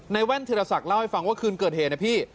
แว่นธิรษักเล่าให้ฟังว่าคืนเกิดเหตุนะพี่